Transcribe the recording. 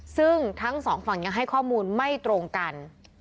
ซึ่งทั้งสองฝั่งยังให้ข้อมูลไม่ตรงกัน